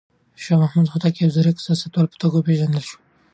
شاه محمود هوتک د يو ځيرک سياستوال په توګه وپېژندل شو.